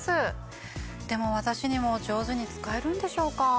でも私にも上手に使えるんでしょうか？